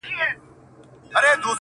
بس ده ژړا مه كوه مړ به مي كړې.